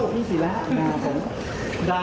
พี่ศิลาด่าผม